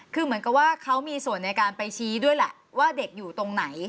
คือเหมือนกับว่าเขามีส่วนในการไปชี้ด้วยแหละว่าเด็กอยู่ตรงไหน